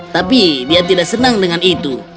tapi dia tidak senang dengan itu